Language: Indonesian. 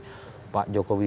maupun besok koalisi jokowi jk